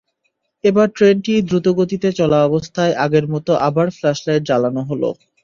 এবার ট্রেনটি দ্রুতগতিতে চলা অবস্থায় আগের মতো আবার ফ্ল্যাশলাইট জ্বালানো হলো।